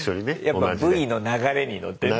やっぱＶの流れに乗ってね。